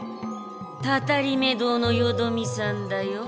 たたりめ堂のよどみさんだよ。